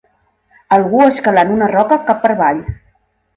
Algú escalant una roca cap per avall.